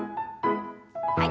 はい。